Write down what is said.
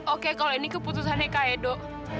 oke kalau ini keputusannya kak edo